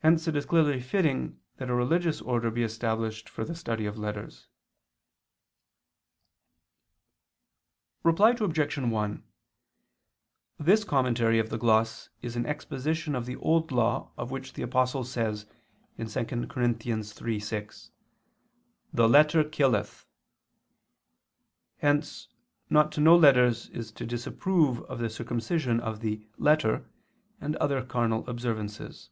Hence it is clearly fitting that a religious order be established for the study of letters. Reply Obj. 1: This commentary of the gloss is an exposition of the Old Law of which the Apostle says (2 Cor. 3:6): "The letter killeth." Hence not to know letters is to disapprove of the circumcision of the "letter" and other carnal observances.